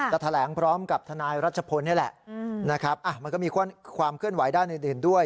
แถลงพร้อมกับทนายรัชพลนี่แหละนะครับมันก็มีความเคลื่อนไหวด้านอื่นด้วย